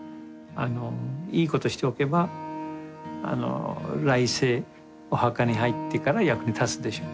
いいことしておけば来世お墓に入ってから役に立つでしょ。